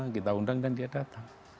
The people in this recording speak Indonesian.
kita undang dan dia datang